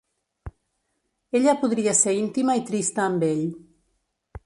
Ella podria ser íntima i trista amb ell.